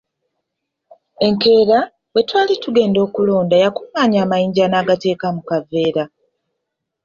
Enkeera, bwe yali agenda okulunda yakunganya amayinja n'agatereka mu kaveera.